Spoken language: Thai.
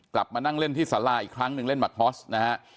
กลับมานั่งเล่นที่สาราอีกครั้งหนึ่งเล่นมักฮอสนะฮะ